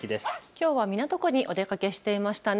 きょうは港区にお出かけしていましたね。